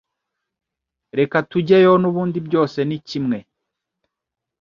Reka tujyeyo nubundi byose nikimwe.